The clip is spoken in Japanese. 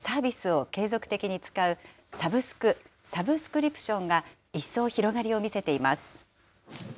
こうした中、レンタルや一定の費用でサービスを継続的に使うサブスク・サブスクリプションが一層広がりを見せています。